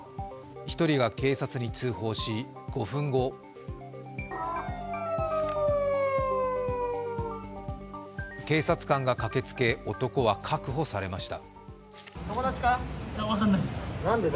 １人が警察に通報し、５分後警察官が駆けつけ、男は確保されました。